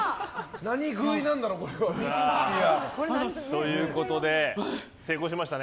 何喰いなんだろう。ということで、成功しましたね。